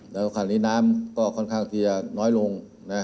แล้วคราวนี้น้ำก็ค่อนข้างที่จะน้อยลง